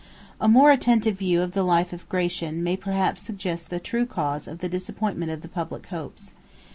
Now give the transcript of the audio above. A more attentive view of the life of Gratian may perhaps suggest the true cause of the disappointment of the public hopes.